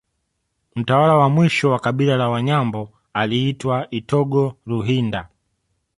Mtawala wa mwisho wa kabila la Wanyambo aliitwa Itogo Ruhinda